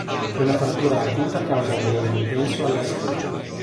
Una frattura acuta causa dolore intenso alla schiena.